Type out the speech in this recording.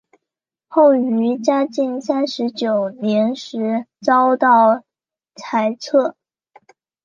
后于嘉靖三十九年时遭到裁撤。